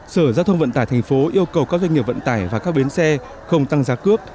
sở giao thông vận tải tp yêu cầu các doanh nghiệp vận tải và các bến xe không tăng giá cước